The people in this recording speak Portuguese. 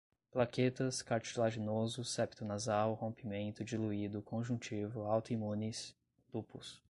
plaquetas, cartilaginoso, septo nasal, rompimento, diluído, conjuntivo, autoimunes, lúpus